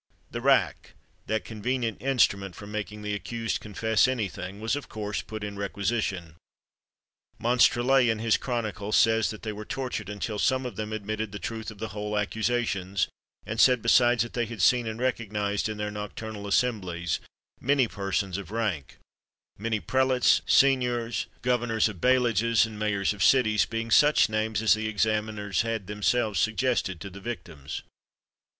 The rack, that convenient instrument for making the accused confess any thing, was of course put in requisition. Monstrelet, in his chronicle, says that they were tortured until some of them admitted the truth of the whole accusations, and said, besides, that they had seen and recognised in their nocturnal assemblies many persons of rank; many prelates, seigneurs, governors of bailliages, and mayors of cities, being such names as the examiners had themselves suggested to the victims.